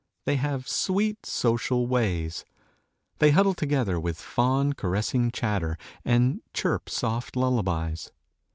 They have sweet, social ways. They huddle together with fond, caressing chatter, and chirp soft lullabies.